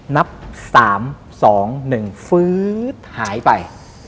นับ๓๒๑ฟื๊ดหายไป